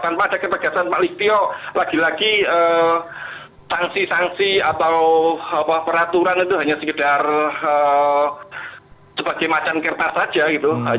tanpa ada ketegasan pak liktio lagi lagi sanksi sanksi atau peraturan itu hanya sekedar sebagai macan kertas saja gitu